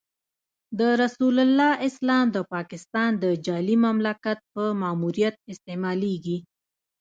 د رسول الله اسلام د پاکستان د جعلي مملکت په ماموریت استعمالېږي.